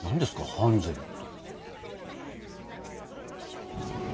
ハンゼルって。